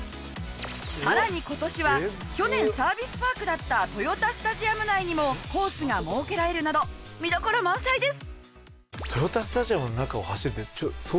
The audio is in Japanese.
さらに今年は去年サービスパークだった豊田スタジアム内にもコースが設けられるなど見どころ満載です。